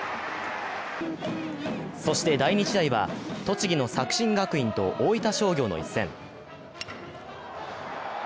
そして第２試合は栃木の作新学院と大分商業の一戦。